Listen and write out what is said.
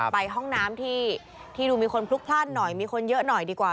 ไปห้องน้ำที่ดูมีคนพลุกพลาดหน่อยมีคนเยอะหน่อยดีกว่า